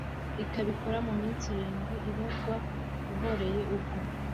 ikabikora mu minsi irindwi ibarwa uhoreye ubwo